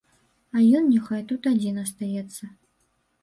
А ён няхай тут адзін астаецца.